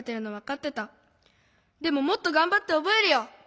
でももっとがんばっておぼえるよ。